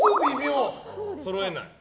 そろえない？